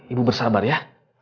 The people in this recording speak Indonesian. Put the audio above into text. ibu bersabar ya